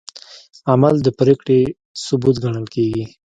عمل د پرېکړې ثبوت ګڼل کېږي.